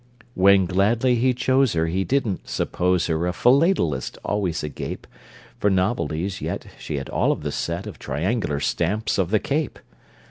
When gladly he chose her, He didn't suppose her A philatelist, always agape For novelties, yet She had all of the set Of triangular stamps of the Cape.